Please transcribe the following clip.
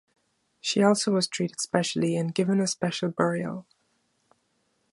She also was treated specially, and given a special burial.